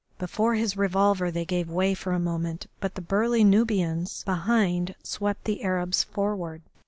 Before his revolver they gave way for a moment, but the burly Nubians behind swept the Arabs forward.